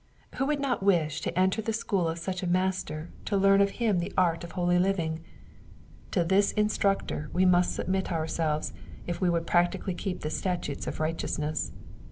Who would not wish to enter the school of such a Master to learn of him the art of holy living? To this Instructor we must submit ourselves if we would practically keep the statutes of righteousness.